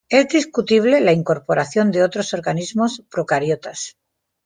Es discutible la incorporación de otros organismos procariotas.